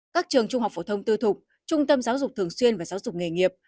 các trường trung học phổ thông tư thục trung tâm giáo dục thường xuyên và giáo dục nghề nghiệp